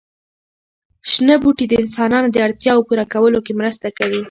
شنه بوټي د انسانانو د اړتیاوو پوره کولو کې مرسته کوي.